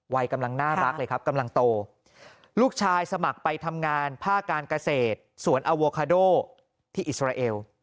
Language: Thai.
วัยกำลังน่ารักเลยครับกำลังโตลูกชายสมัครไปทำงานภาคการเกษตรสวนอโวคาโดที่อิสราเอล